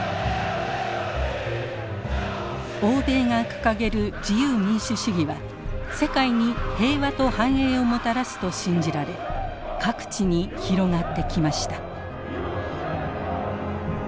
欧米が掲げる自由民主主義は世界に平和と繁栄をもたらすと信じられ各地に広がってきました。